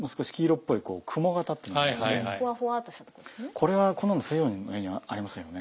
これはこんなの西洋の絵にはありませんよね。